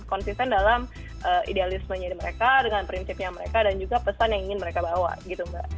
konsisten dalam idealismenya mereka dengan prinsipnya mereka dan juga pesan yang ingin mereka bawa gitu mbak